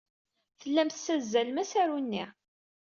Tellam tessazzalem asaru-nni.